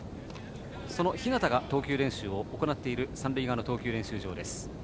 その日當が投球練習を行っている三塁側の投球練習場です。